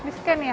di scan ya